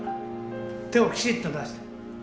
手をきちっと出して。